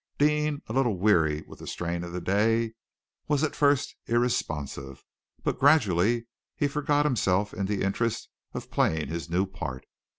Deane, a little weary with the strain of the day, was at first irresponsive, but gradually he forgot himself in the interest of playing his new part.